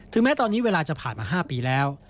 แม้ตอนนี้เวลาจะผ่านมา๕ปีแล้ว